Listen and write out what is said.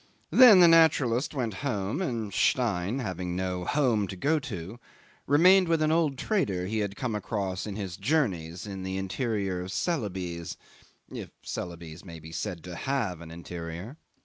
Then the naturalist went home, and Stein, having no home to go to, remained with an old trader he had come across in his journeys in the interior of Celebes if Celebes may be said to have an interior.